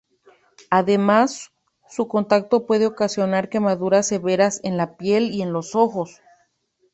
Además, su contacto puede ocasionar quemaduras severas en la piel y en los ojos.